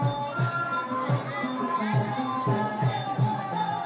การทีลงเพลงสะดวกเพื่อความชุมภูมิของชาวไทย